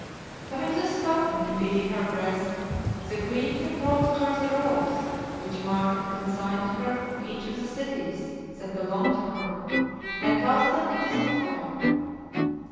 Having thus spoken, and beating her breast, the queen had brought to her the rolls, which Mark had consigned to her of each of the cities that belonged to her, and cast them into the fire.